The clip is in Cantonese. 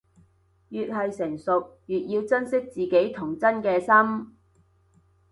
越係成熟，越要珍惜自己童真嘅心